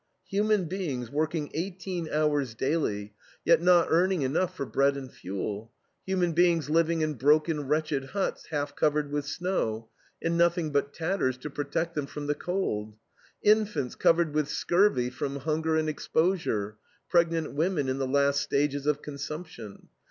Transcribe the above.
Human beings working eighteen hours daily, yet not earning enough for bread and fuel; human beings living in broken, wretched huts half covered with snow, and nothing but tatters to protect them from the cold; infants covered with scurvy from hunger and exposure; pregnant women in the last stages of consumption.